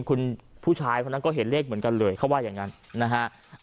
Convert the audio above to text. คุณผู้ชายคนนั้นก็เห็นเลขเหมือนกันเลยเขาว่าอย่างนั้นนะฮะ